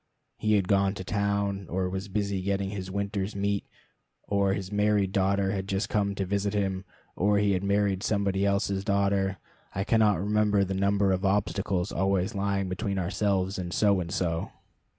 He had gone to town; or was busy getting his winter's meat; or his married daughter had just come to visit him, or he had married somebody else's daughter. I cannot remember the number of obstacles always lying between ourselves and So and So.